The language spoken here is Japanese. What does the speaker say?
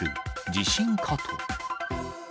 地震かと。